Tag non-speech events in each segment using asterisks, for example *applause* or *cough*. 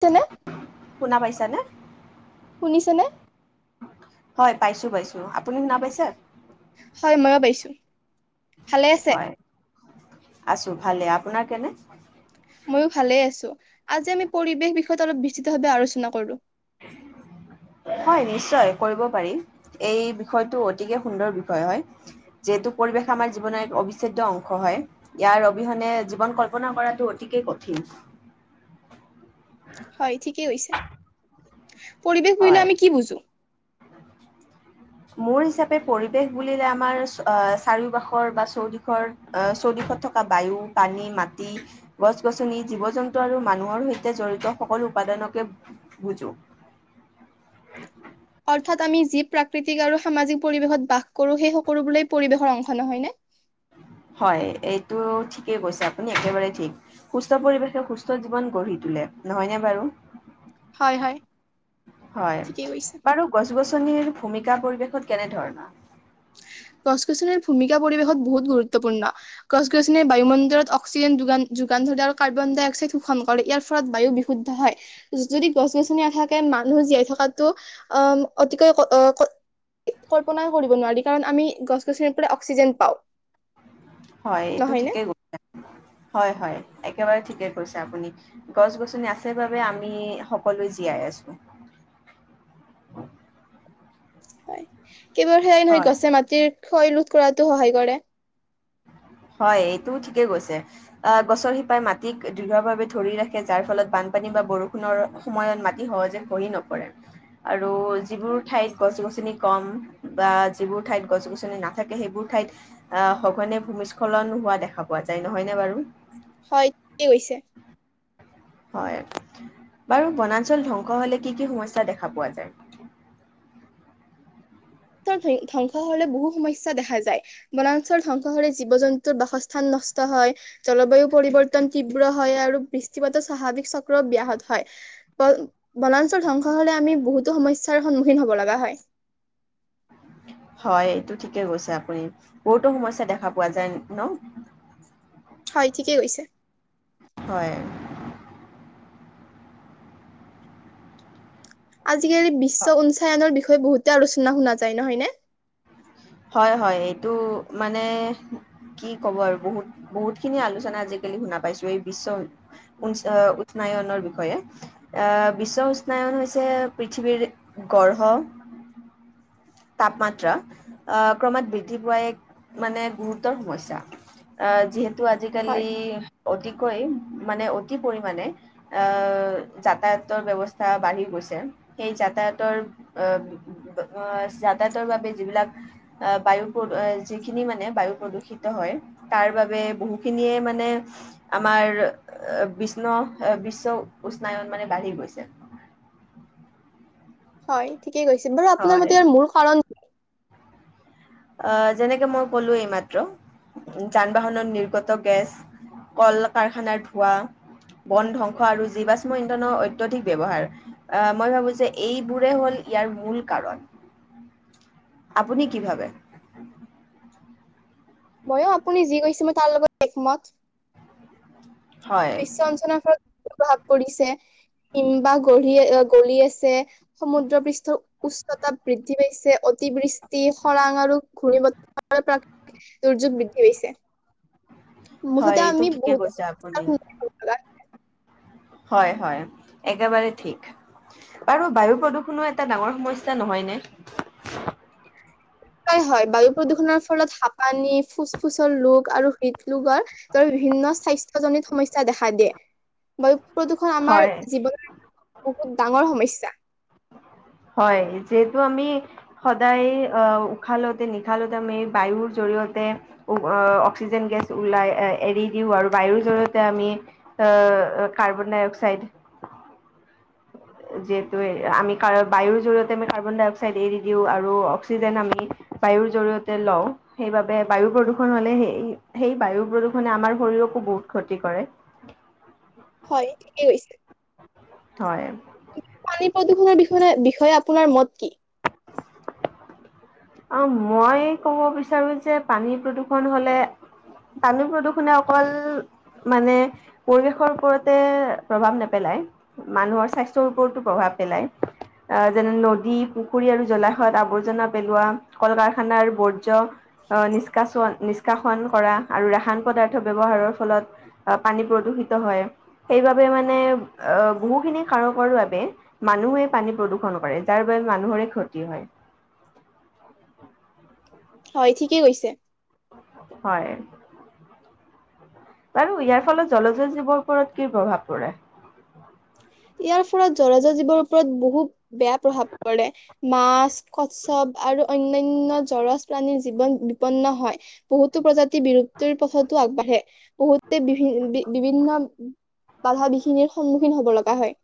তেনে। শুনা পাইছানে? শুনিছেনে? হয়, পাইছোঁ পাইছোঁ, আপুনি শুনা পাইছে? হয়, ময়ো পাইছোঁ। হয়, আছো ভালে, আপোনাৰ কেনে? মইও ভালে আছো। আজি আমি পৰিৱেশ বিষয়ত অলপ বিস্তৃতভাৱে আলোচনা কৰো। *inaudible* হয়, নিশ্চয় কৰিব পাৰি, এই বিষয়টো অতিকে সুন্দৰ বিষয় হয়। যিহেতু পৰিৱেশ আমাৰ জীৱনৰ এক অবিচ্ছেদ্য অংশ হয়। ইয়াৰ অবিহনে জীৱন কল্পনা কৰাটো অতিকে কঠিন। হয়, ঠিকেই হৈছে, পৰিৱেশ বুলিলে হয়। আমি কি বুজো? মোৰ হিচাপে পৰিৱেশ বুলিলে আমাৰ চা- চাৰিওবাষৰ বা চৌদিশৰ আহ, চৌদিশত থকা বায়ু, পানী, মাটি গছ-গছনি, জীৱ-জন্তু আৰু মানুহৰ সৈতে জড়িত সকলো উপাদানকে বুজো। অৰ্থাৎ আমি যি প্ৰাকৃতিক আৰু সামাজিক পৰিৱেশত বাস কৰো, সেই সকলো বোৰেই পৰিৱেশৰ অংশ নহয় নে? হয়, এইটো ঠিকেই কৈছে আপুনি একেবাৰে ঠিক। সুস্থ পৰিৱেশে সুস্থ জীৱন গঢ়ি তোলে নহয়নে বাৰু? হয় হয় হয় ঠিকেই কৈছে। বাৰুক গছ-গছনিৰ ভূমিকা পৰিৱেশত কেনে ধৰণৰ? গছ-গছনি ভূমিকা পৰিৱেশত বহুত গুৰুত্বপূৰ্ণ। গছ-গছনি বায়ুমণ্ডলত অক্সিজেন যোগান- যোগান ধৰে আৰু কাৰ্বন ডাইক্সাইড শোষণ কৰে ইয়াৰ ফলত বায়ু শুদ্ধ হয়। যদি গছ-গছনি নাথাকে মানুহ জীয়াই থকাতটো আহ অতিকৈ ক অ ক কল্পনাই কৰিব নোৱাৰি কাৰণ আমি গছ-গছনিৰ পৰা অক্সিজেন পাওঁ। হয়, এইটো নহয় নে ঠিকে কৈছে, হয়, হয়, একেবাৰে ঠিকে কৈছে আপুনি। গছ-গছনি আছে বাবে আমি সকলো জীয়াই আছো। হয়, কেৱল সেয়াই নহয় হয় গছে মাটিৰ ক্ষয় ৰোধ কৰাতো সহায় কৰে। হয়, এইটোও ঠিকে কৈছে। আহ গছৰ শিপাই মাটিক দৃঢ ভাৱে ধৰি ৰাখে যাৰ ফলত বানপানী বা বৰষুণৰ সময়ত মাতি সহজে খহি নপৰে। *inaudible* আৰু যিবোৰ ঠাইত গছ-গছনি কম বা যিবোৰ ঠাইত গছ-গছনি নাথাকে সেইবোৰ ঠাইত আ সঘনে ভূমিস্খলন হোৱা দেখা পোৱা যায় নহয়নে বাৰু? হয় থিকে কৈছে। হয় বাৰু বনাঞ্চল ধ্বংস হ'লে কি কি সমস্যা দেখা পোৱা যায়? ত ধই ধ্বংস হলে বহু সমস্যাই দেখা যায়। বনাঞ্চল ধ্বংস হ'লে জীৱ জন্তুৰ বাসস্থান নষ্ট হয়। জলবায়ু পৰিৱৰ্তন তীব্ৰ হয় আৰু বৃষ্টিপাতৰ স্বাভাৱিক চক্ৰও ব্যাহত হয়। বল বনাঞ্চল ধ্বংস হ'লে আমি বহুতো সমস্যাৰ সন্মুখীন হব লগা হয়। হয়, এইটো ঠিকে গৈছে আপুনি বহুতো সমস্যা দেখা পোৱা যায় ন। হয় ঠিকেই কৈছে। হয়। আজিকালি বিশ্ব উঞ্চায়নৰ বিষয়ে বহুতে আলোচনা শুনা যায় নহয় নে? হয় হয় এইটো মানে কি কব আৰু বহুত বহুত খিনি আলোচনা আজিকালি শুনা পাইছো এই বিশ্ব উঞ্চ উষ্ণায়নৰ বিষয়ে। আহ বিশ্ব উষ্ণায়ন হৈছে পৃথিৱীৰ গঢ়হ তাপমাত্ৰা আ ক্ৰমাৎ বৃদ্ধি পোৱা এক মানে গুৰুত্বৰ সমস্যা আ যিহেত তু হয় আজিকালি অতিকৈ মানে অতি পৰিমানে আ যাতায়াতৰ ব্যৱস্থা বাঢ়ি গৈছে সেই যাতায়াতৰ আ হয় যাতায়াতৰ বাবে যিবিলাক আ বায়ু প্ৰদু যিখিনি মানে বায়ু প্ৰদূষিত হয় তাৰ বাবে বহুখিনিয়ে মানে আমাৰ বিষ্ণ বিশ্ব উষ্ণায়ন মানে বাঢ়ি গৈছে। হয় ঠিকেই কৈছিল বাৰু আপোনাৰ হয় মতে মূল কাৰণ অ যেনেকে মই ক'লো এইমাত্ৰ যান-বাহনত নিৰ্গত গেছ কল-কাৰখানাৰ ধোৱা বন ধ্বংস আৰু জীৱাষ্ম ইন্ধনৰ অত্যধিক ব্যৱহাৰ। আ, মই ভাবো যে এইবোৰে হ'ল ইয়াৰ মূল কাৰণ। আপুনি কি ভাবে? মইও আপুনি যি কৈছে মই তাৰ লগত একমত। হয় বিশ্ব উঞ্চনাৰ ফলত প্ৰভাৱ পৰিছে হিমবাহ গঢ়ি গলি আছে। সমুদ্ৰ পৃষ্ঠৰ উচ্চতা বৃদ্ধি পাইছে। অতি বৃষ্টি খৰাং আৰু ঘূৰ্ণি বতাহ প্ৰাকৃতিক দুৰ্যোগ বৃদ্ধি পাইছে। হয় মুঠতে এইটো আমি ঠিকে বহুত কৈছে আপুনি *unintelligible* হয় হয়। একেবাৰে ঠিক। আৰু বায়ু প্ৰদূষণো এটা ডাঙৰ সমস্যা নহয় নে? হয় হয়। বায়ু প্ৰদূষণৰ ফলত হাঁপানি ফুচ ফুচৰ ৰোগ আৰু হৃদৰোগ হয়। ৰ বিভিন্ন স্বাস্থ্যজনিত সমস্যা দেখা দিয়ে। প্ৰদূষণ আমাৰ হয় জীৱনৰ বহুত ডাঙৰ সমস্যা। হয়। যিহেতু আমি সদায় উশাহ লওতে নিশাহ লওতে আমি বায়ুৰ জৰিয়তে অক্সিজেন গেছ ওলাই এৰি দিওঁ, আৰু বায়ুৰ জৰিয়তে আমি অ', কাৰ্বন ডাই অক্সাইড যিহেতু আমি কাৰ- বায়ুৰ জৰিয়তে আমি কাৰ্বন ডাই অক্সাইড এৰি দিওঁ আৰু, অক্সিজেন আমি বায়ুৰ জৰিয়তে লওঁ। সেইবাবে বায়ু প্ৰদূৰষণ হলে, সেই-সেই বায়ু প্ৰদূষণে আমাৰ শৰীৰকো বহুত ক্ষতি কৰে। হয়, ঠিকে কৈছে। হয়। পানী প্ৰদূষণৰ বিষয়-বিষয়ে আপোনাৰ মত কি? অ', মই কব বিচাৰো যে পানী প্ৰদূৰ্ষণ হলে পানী প্ৰদূষণে অকল মানে পৰিৱেশৰ ওপৰতে প্ৰভাৱ নেপেলায়। মানুহৰ স্বাস্থ্যৰ ওপৰতো প্ৰভাৱ পেলায়। আ, যেনে নদী পুখুৰী আৰু জলাশয় আৱৰ্জনা পেলোৱা কল-কাৰখানাৰ বৰ্জ্য আ নিষ্কাচন- নিষ্কাশন কৰা আৰু ৰাসায়ন পদাৰ্থ ব্যৱহাৰৰ ফলত অ', পানী প্ৰদূষিত হয়। সেইবাবে মানে অ, বহুখিনি কাৰকৰ বাবে মানুহেই পানী প্ৰদূষণ কৰে যাৰ বাবে মানুহৰে ক্ষতি হয়। *inaudible* হয়, ঠিকেই কৈছে। হয়। বাৰু ইয়াৰ ফলত জলজ জীৱৰ ওপৰত কি প্ৰভাৱ পৰে? ইয়াৰ ফলত জলজ জীৱৰ ওপৰত বহুত বেয়া প্ৰভাৱ পৰে। মাছ কচ্ছপ আৰু অন্যান্য জলজ প্ৰাণীৰ জীৱন বিপন্ন হয়। বহুতো প্ৰজাতি বিলুপ্তিৰ পথতো আগবাঢ়ে। বহুতে বিভিন বিভিন্ন বাধা বিঘিনিৰ সন্মুখীন হ'ব লগা হয়।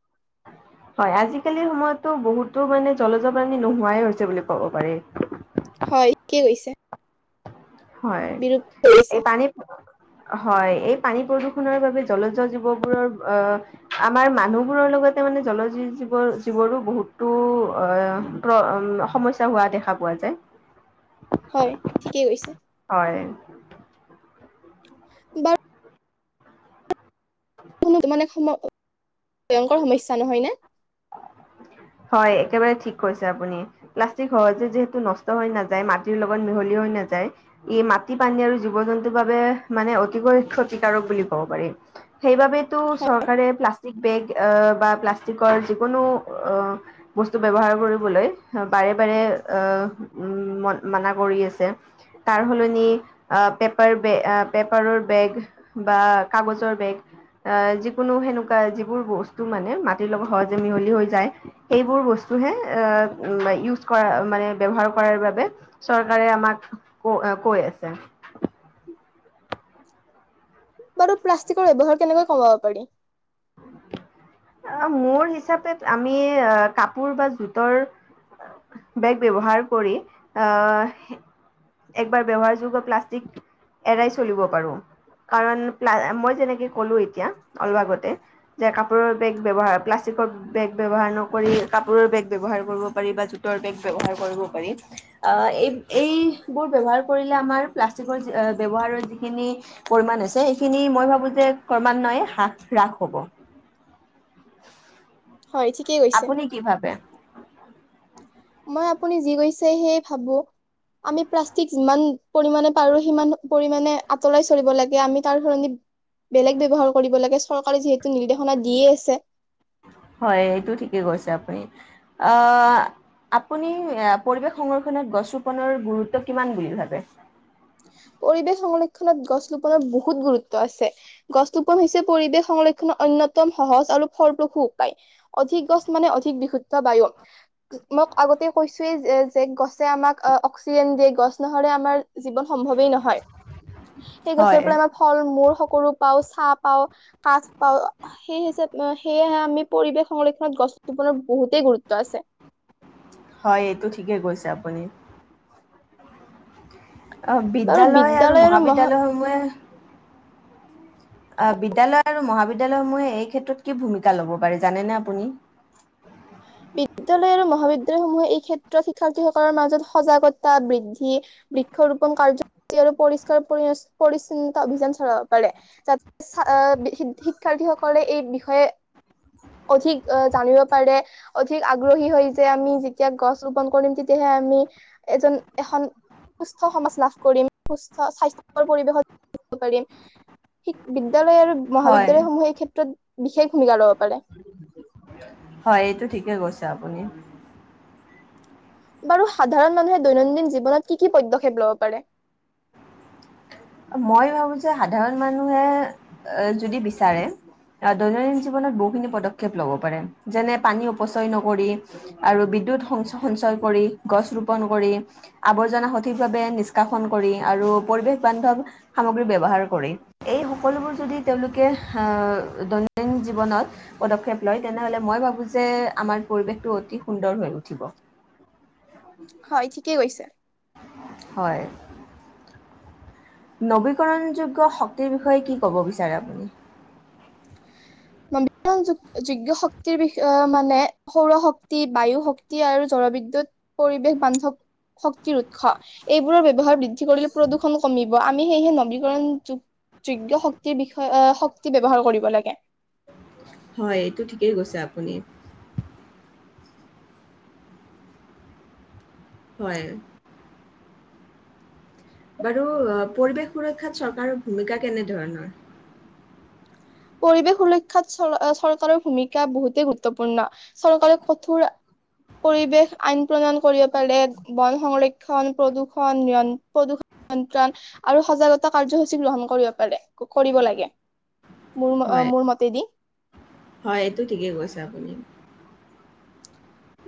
হয়, আজিকালিৰ সময়ততো বহুতো মানে জলজপ্ৰানি নোহোৱাই হৈছে বুলি ক'ব পাৰি। হয়, ঠিকে কৈছে। হয়, বিলুপ্ত হৈছে। এই পানী হয়, এই পানী প্ৰদূষণৰ বাবে জলজ জীৱবোৰৰ আ আমাৰ মানুহবোৰৰ লগতে মানে জলজ জীৱৰ- জিবোৰো বহুতো অ অ' সমস্যা হোৱা দেখা পোৱা যায়। হয়, ঠিকেই কৈছে। হয়। বাত *unintelligible* উম' *inaudible* কোনো তানে সম *unintelligible* ভয়ংকৰ সমস্যা নহয় নে? হয়, একেবাৰে ঠিক কৈছে আপুনি। প্লাষ্টিক সহজে যিহেতু নষ্ট হৈ নাযায়, মাটিৰ লগত মিহলি হৈ নাযায়। ই মাটি, পানী আৰু জীৱ-জন্তুৰ বাবে মানে অতিকৈ ক্ষতিকাৰক বুলি ক'ব পাৰি। সেইবাবেতো হয়। চৰকাৰে প্লাষ্টিক বেগ বা প্লাষ্টিকৰ যিকোনো বস্তু ব্যৱহাৰ কৰিবলৈ বাৰে বাৰে অ' উম' মানা কৰি আছে। তাৰ সলনি আ পেপাৰবেগ, পেপাৰৰ বেগ বা কাগজৰ বেগ আ যিকোনো সেনেকুৱা যিবোৰ বস্তু মানে মাটিৰ লগত সহজে মিহলি হৈ যায় সেইবোৰ বস্তুহে আ ইউজ কৰা মানে ব্যৱহাৰ কৰাৰ বাবে চৰকাৰে আমাক ক কৈ আছে। বাৰু প্লাষ্টিকৰ ব্যৱহাৰ কেনেকৈ কমাব পাৰি? অ' মোৰ হিচাপে আমি কাপোৰ বা জোটৰ বেগ ব্যৱহাৰ কৰি আ একবাৰ ব্যৱহাৰযোগ্য প্লাষ্টিক এৰাই চলিব পাৰোঁ। কাৰণ প্লা- মই যেনেকে ক'লো এতিয়া অলপ আগতে যে কাপোৰৰ বেগ ব্যৱহাৰ, প্লাষ্টিকৰ বেগ ব্যৱহাৰ নকৰি, কাপোৰৰ বেগ ব্যৱহাৰ কৰিব পাৰি বা জোটৰ বেগ ব্যৱহাৰ কৰিব পাৰি। আ এই এইবোৰ ব্যৱহাৰ কৰিলে আমাৰ প্লাষ্টিকৰ যি ব্যৱহাৰৰ যিখিনি পৰিমাণ আছে সেইখিনি মই ভাবোঁ যে ক্ৰমান্বয়ে হ্ৰাস, হ্ৰাস হ'ব। *inaudible* হয় ঠিকেই কৈছে। আপুনি কি ভাবে? মই আপুনি যি কৈছে, সেয়ে ভাবোঁ। আমি প্লাষ্টিক যিমান পৰিমানে পাৰোঁ সিমান পৰিমানে আঁতৰাই চলিব লাগে। আমি তাৰ সলনি বেলেগ ব্যৱহাৰ কৰিব লাগে, চৰকাৰে যিহেতু নিৰ্দেশনা দিয়েই আছে। হয় এইটো ঠিকেই কৈছে আপুনি। আহ, আপুনি এ পৰিৱেশ সংৰক্ষণত গছ ৰোপনৰ গুৰুত্ব কিমান বুলি ভাবে? পৰিৱেশ সংৰক্ষণত গছ ৰোপনত বহুত গুৰুত্ব আছে। গছৰোপণ হৈছে পৰিৱেশ সংৰক্ষণৰ অন্যতম সহজ আৰু ফলপ্ৰসূ উপায়। অধিক গছ মানে অধিক বিশুদ্ধ বায়ু। মই আগতে কৈছোয়ে যে যে গছে আমাক অক্সিজেন দিয়ে, গছ নহ'লে আমাৰ জীৱন সম্ভৱেই নহয়। সেই হয়। গছৰ পৰা আমাৰ ফল-মূল সকলো পাওঁ, ছাহ পাওঁ, কাঠ পাওঁ সেই হিচাপ, সেয়েহে আমি পৰিৱেশ সংৰক্ষণত গছ ৰোপনত বহুতেই গুৰুত্ব আছে। হয় এইটো ঠিকে কৈছে আপুনি। অ' বিদ্যালয় আৰু মহাবিদ্যালয়সমূহে অ' বিদ্যালয় আৰু মহাবিদ্যালয় সমূহে এই ক্ষেত্ৰত কি ভূমিকা ল'ব পাৰে জানেনে আপুনি? বিদ্যালয় আৰু মহাবিদ্যালয়সমূহে এই ক্ষেত্ৰত শিক্ষাৰ্থীসকলৰ মাজত সজাগতা বৃদ্ধি বৃক্ষৰোপন কাৰ্যসূচী আৰু পৰিষ্কাৰ পৰি পৰিচ্ছন্নতা অভিযান চলাব পাৰে। চা আ বি শি শিক্ষাৰ্থীসকলে এই বিষয়ে অধিক অ জানিব পাৰে অধিক আগ্ৰহী হয় যে আমি যেতিয়া গছ ৰোপন কৰিম তেতিয়াহে আমি এজন এখন সুস্থ সমাজ লাভ কৰিম, সুস্থ স্বাস্থ্যকৰ পৰিৱেশত থাকিব পাৰিম। শিক বিদ্যালয় আৰু হয় মহাবিদ্যালয়সমূহে এই ক্ষেত্ৰত বিশেষ ভূমিকা লব পাৰে। হয়, এইটো ঠিকে কৈছে আপুনি। বাৰু সাধাৰণ মানুহে দৈনন্দিন জীৱনত কি কি পদ্যক্ষেপ লব পাৰে? মই ভাবো যে সাধাৰণ মানুহে আ যদি বিচাৰে আহ, দৈনন্দিন জীৱনত বহুখিনি পদক্ষেপ লব পাৰে যেনে পানী অপচয় নকৰি আৰু বিদ্যুৎ সং সঞ্চয় কৰি, গছ ৰোপন কৰি আৱৰ্জনা সঠিকভাৱে নিষ্কাশন কৰি আৰু পৰিৱেশ বান্ধৱ সামগ্ৰী ব্যৱহাৰ কৰি। এই সকলোবোৰ যদি তেওঁলোকে হা দৈনন্দিন জীৱনত পদক্ষেপ লয় তেনেহ'লে মই ভাবোঁ যে আমাৰ পৰিৱেশটো অতি সুন্দৰ হৈ উঠিব। হয়, ঠিকেই কৈছে। হয়। নৱীকৰণযোগ্য শক্তিৰ বিষয়ে কি ক'ব বিচাৰে আপুনি? নৱীকৰণযো যোগ্য শক্তিৰ বিষয়ে মানে সৌৰ শক্তি, বায়ু শক্তি আৰু জলবিদ্যুৎ পৰিৱেশ বান্ধৱ শক্তিৰ উৎস এইবোৰৰ ব্যৱহাৰ বৃদ্ধি কৰিলে প্ৰদূষণ কমিব, আমি সেয়েহে নৱীকৰণ যো যোগ্য শক্তিৰ বিষয়ে আহ শক্তি ব্যৱহাৰ কৰিব লাগে। হয়, এইটো ঠিকেই কৈছে আপুনি। হয়। বাৰু পৰিৱেশ সুৰক্ষাত চৰকাৰৰ ভূমিকা কেনেধৰণৰ? পৰিৱেশ সুৰক্ষাত চল অ চৰকাৰৰ ভূমিকা বহুতেই গুৰুত্বপূৰ্ণ। চৰকাৰৰ কঠোৰ পৰিৱেশ আইন প্ৰণয়ন কৰিব পাৰে, বন সংৰক্ষণ, প্ৰদূষণ নিয়ন প্ৰদূষ নিয়ন্ত্ৰণ আৰু সজাগতা কাৰ্যসূচী গ্ৰহণ কৰিব পাৰে, ক কৰিব লাগে। মোৰ ম হয়, মোৰ মতেদি। হয় এইটো ঠিকে কৈছে আপুনি।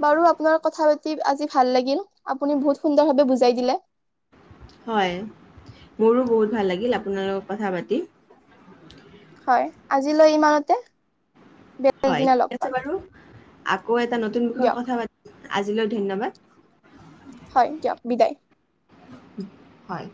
বাৰু আপোনাৰ কথা পাতি আজি ভাল লাগিল, আপুনি বহুত সুন্দৰভাৱে বুজাই দিলে। হয়, মোৰো বহুত ভাল লাগিল আপোনাৰ লগক কথা পাতি। হয় আজিলৈ ইমানতে। বে হয়, ঠিক আছে বাৰু আকৌ এটা নতুন বিষয়ত দিয়ক কথা পাতিম আজিলৈ ধন্যবাদ। হয় দিয়ক বিদায়। উম হয়।